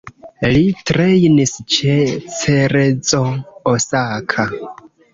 Li trejnis ĉe Cerezo Osaka.